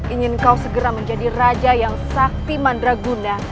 ingin kau segera menjadi raja yang sakti mandraguna